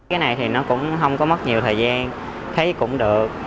cái này thì nó cũng không có mất nhiều thời gian thấy cũng được